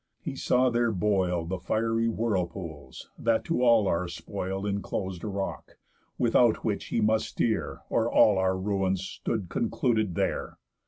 He saw there boil The fiery whirlpools that to all our spoil Inclos'd a rock, without which he must steer, Or all our ruins stood concluded there.